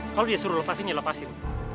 kalau dia suruh lepasin dia lepasin